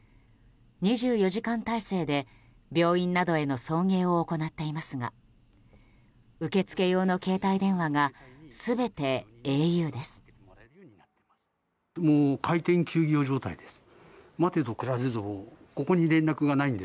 ２４時間態勢で病院などへの送迎を行っていますが受け付け用の携帯電話が全てａｕです。